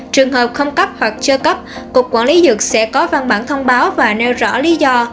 trường hợp không cấp hoặc chưa cấp cục quản lý dược sẽ có văn bản thông báo và nêu rõ lý do